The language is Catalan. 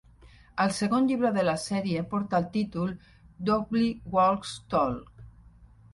El segon llibre de la sèrie porta el títol "Dogby Walks Tall".